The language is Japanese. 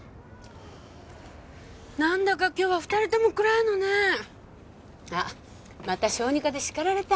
何だか今日は二人とも暗いのねまた小児科でしかられた？